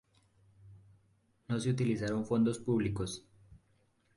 No se utilizaron fondos públicos.